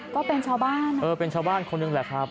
ก็เป็นชาวบ้านเออเป็นชาวบ้านคนหนึ่งแหละครับ